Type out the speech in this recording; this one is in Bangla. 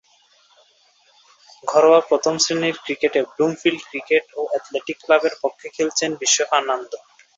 ঘরোয়া প্রথম-শ্রেণীর ক্রিকেটে ব্লুমফিল্ড ক্রিকেট ও অ্যাথলেটিক ক্লাবের পক্ষে খেলছেন বিশ্ব ফার্নান্দো।